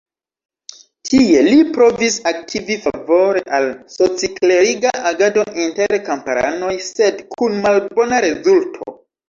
Tie li provis aktivi favore al soci-kleriga agado inter kamparanoj, sed kun malbona rezulto.